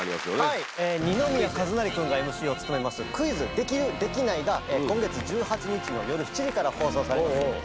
はい二宮和也君がＭＣを務めます『クイズ！できる？できない？』が今月１８日の夜７時から放送されます。